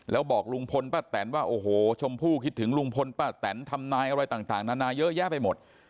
แล้วบอกลุงพลป้าแตนว่าโอ้โหชมพู่คิดถึงลุงพลป้าแตนทำนายอะไรต่างนานาเยอะแยะไปหมด